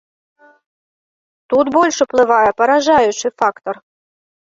Тут больш уплывае паражаючы фактар.